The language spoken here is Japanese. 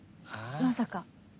まさか。